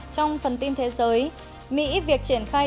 trong phần tin thế giới